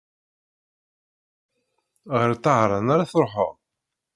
Ɣer Tahran ara truḥeḍ?